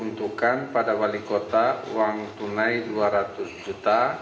untukkan pada wali kota uang tunai rp dua ratus juta